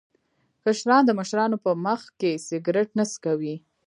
کشران د مشرانو په مخ کې سګرټ نه څکوي.